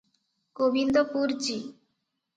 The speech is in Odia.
ଗୋବିନ୍ଦପୁର ଜି।